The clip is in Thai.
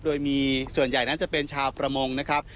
โดยมีส่วนใหญ่นั้นจะเป็นชาวประมงนะครับ